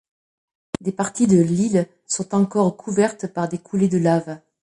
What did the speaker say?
Des parties de l'île sont encore couverte par des coulées de lave.